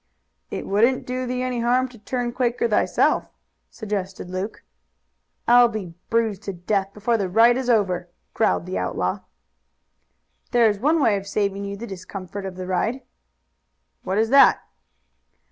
"It wouldn't do thee any harm to turn Quaker thyself," suggested Luke. "I'll be bruised to death before the ride is over," growled the outlaw. "There is one way of saving you the discomfort of the ride." "What is that?"